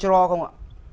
đúng rồi con chó lò